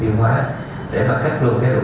thì như vậy là cái việc mà mình khối hợp đồng bộ